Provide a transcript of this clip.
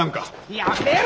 やめろ！